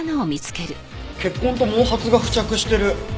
血痕と毛髪が付着してる。